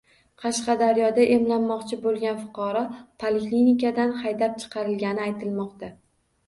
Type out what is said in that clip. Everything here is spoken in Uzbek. Qashqadaryoda emlanmoqchi bo‘lgan fuqaro poliklinikadan haydab chiqarilgani aytilmoqda